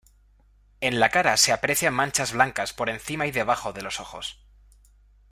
En la cara se aprecian manchas blancas por encima y debajo de los ojos.